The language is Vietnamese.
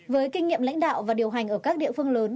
với kinh nghiệm lãnh đạo và điều hành ở các địa phương lớn